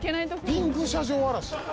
ピンク車上荒らしやん。